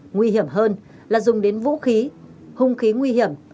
nguy hiểm hơn là dùng đến vũ khí hung khí nguy hiểm